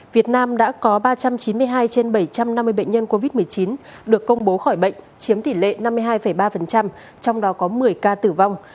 việt nam đã có ba trăm chín mươi hai trên bảy trăm năm mươi bệnh nhân covid một mươi chín được công bố khỏi bệnh chiếm tỷ lệ năm mươi hai ba trong đó có một mươi ca tử vong